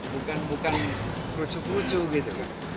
bukan krucu krucu gitu